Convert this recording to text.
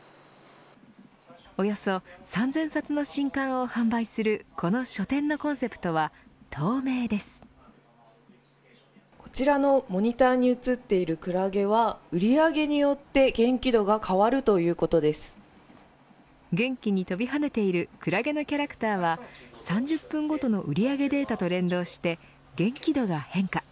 およそ３０００冊の新刊を販売するこの書店のコンセプトはこちらのモニターに映っているクラゲは売り上げによって元気度が元気に飛び跳ねているクラゲのキャラクターは３０分ごとの売り上げデータと連動して元気度が変化。